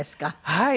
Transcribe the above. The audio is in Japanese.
はい。